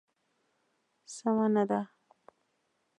سمه نه ده.